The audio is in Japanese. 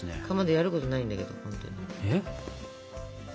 かまどやることないんだけどほんとに。